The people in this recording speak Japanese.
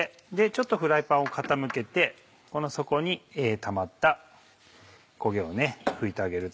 ちょっとフライパンを傾けてこの底にたまった焦げを拭いてあげる。